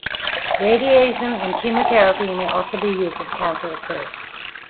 Radiation and chemotherapy may also be used if cancer occurs.